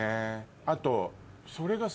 あと。